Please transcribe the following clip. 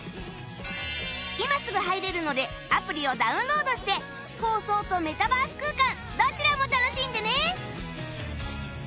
今すぐ入れるのでアプリをダウンロードして放送とメタバース空間どちらも楽しんでね！